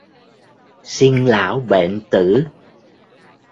Sinh lão bệnh tử